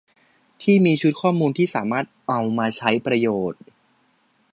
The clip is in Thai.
ที่มีชุดข้อมูลที่สามารถเอามาใช้ประโยชน์